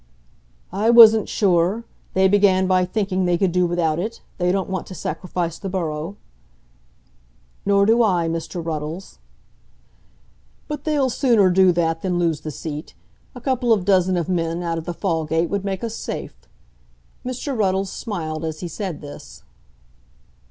"I wasn't sure. They began by thinking they could do without it. They don't want to sacrifice the borough." "Nor do I, Mr. Ruddles." "But they'll sooner do that than lose the seat. A couple of dozen of men out of the Fallgate would make us safe." Mr. Ruddles smiled as he said this.